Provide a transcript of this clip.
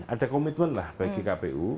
ada komitmen lah bagi kpu